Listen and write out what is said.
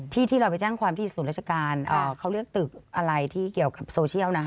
ที่เราไปแจ้งความที่ศูนย์ราชการเขาเรียกตึกอะไรที่เกี่ยวกับโซเชียลนะ